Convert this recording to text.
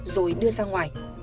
rồi đưa sang ngoài